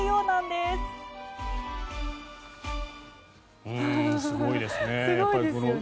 すごいですね。